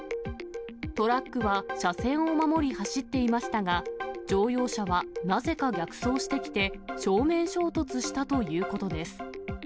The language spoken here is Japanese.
トラックは車線を守り走っていましたが、乗用車はなぜか逆走してきて、正面衝突したということです。